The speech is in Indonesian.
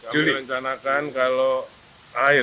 kami rencanakan kalau air